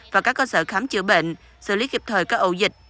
và các cơ sở khám chữa bệnh xử lý kịp thời các ẩu dịch